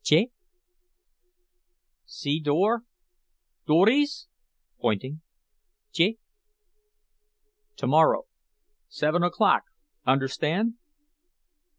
"Je." "See door. Durys?" (Pointing.) "Je." "To morrow, seven o'clock. Understand?